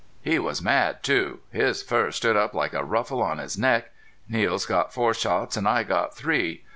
He was mad, too. His fur stood up like a ruffle on his neck. Niels got four shots an' I got three.